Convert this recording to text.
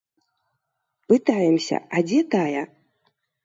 Пытаемся, а дзе тая.